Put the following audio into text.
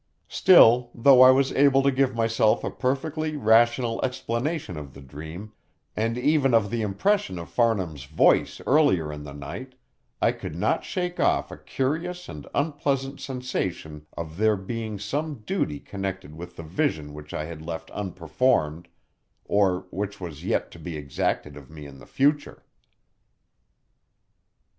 Still, though I was able to give myself a perfectly rational explanation of the dream, and even of the impression of Farnham's voice earlier in the night, I could not shake off a curious and unpleasant sensation of there being some duty connected with the vision which I had left unperformed, or which was yet to be exacted of me in the future.